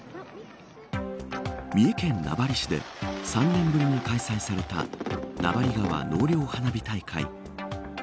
三重県名張市で３年ぶりに開催された名張川納涼花火大会。